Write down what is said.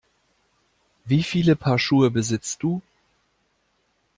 Wie viele Paar Schuhe besitzt du?